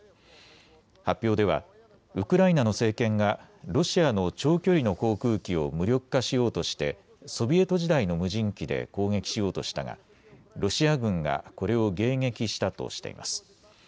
発表ではウクライナの政権がロシアの長距離の航空機を無力化しようとしてソビエト時代の無人機で攻撃しようとしたがロシア軍がこれを迎撃したとしています。